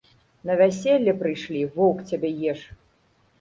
На вяселле прыйшлі, воўк цябе еш.